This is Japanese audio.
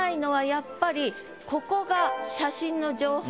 やっぱりここが。